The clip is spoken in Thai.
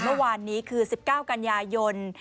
เมื่อวานนี้คือ๑๙กันยายน